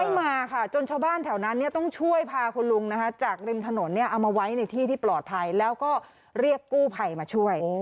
มาค่ะจนชาวบ้านแถวนั้นต้องช่วยพาคุณลุงนะคะจากริมถนนเนี่ยเอามาไว้ในที่ที่ปลอดภัยแล้วก็เรียกกู้ภัยมาช่วย